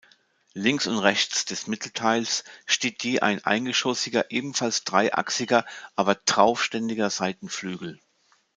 Links und rechts des Mittelteils steht je ein eingeschossiger, ebenfalls dreiachsiger aber traufständiger Seitenflügel.